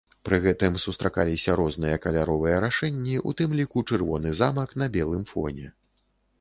Пры гэтым сустракаліся розныя каляровыя рашэнні, у тым ліку чырвоны замак на белым фоне.